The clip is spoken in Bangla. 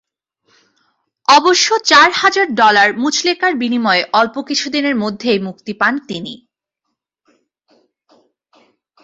অবশ্য চার হাজার ডলার মুচলেকার বিনিময়ে অল্প কিছুদিনের মধ্যেই মুক্তি পান তিনি।